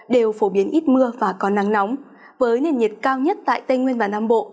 đều phổ biến ít mưa và có nắng nóng với nền nhiệt cao nhất tại tây nguyên và nam bộ